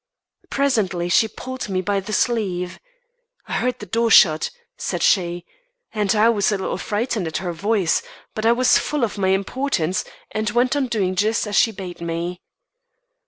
Presently, she pulled me by the sleeve. "I heard the door shut," said she and I was a little frightened at her voice, but I was full of my importance, and went on doing just as she bade me.